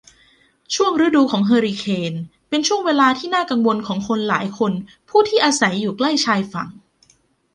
ช่วงฤดูของเฮอริเคนเป็นช่วงเวลาที่น่ากังวลของคนหลายคนผู้ที่อาศัยอยู่ใกล้ชายฝั่ง